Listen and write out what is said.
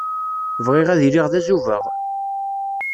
Bɣiɣ ad iliɣ d azubaɣ.